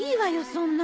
そんな。